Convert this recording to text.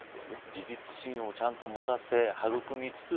自立心をちゃんと持たせ育みつつ